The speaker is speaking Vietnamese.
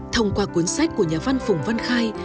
thông qua cuốn sách của nhà văn phùng văn khai